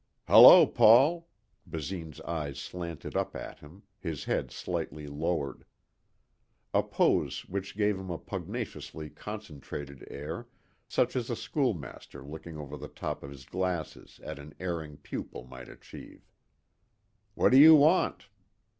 "Hello Paul," Basine's eyes slanted up at him, his head slightly lowered. A pose which gave him a pugnaciously concentrated air such as a schoolmaster looking over the top of his glasses at an erring pupil might achieve. "What do you want?"